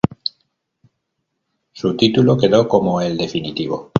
Su título quedó como el definitivo.